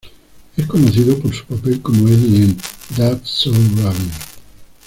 Es conocido por su papel como Eddie en "That's So Raven".